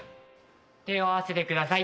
手を合わせてください。